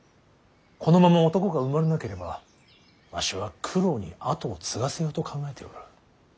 このまま男が生まれなければわしは九郎に跡を継がせようと考えておる。